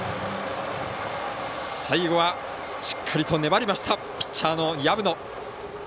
最後はしっかりと粘りましたピッチャーの薮野。